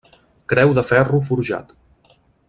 Creu de ferro forjat.